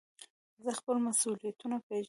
زه خپل مسئولیتونه پېژنم.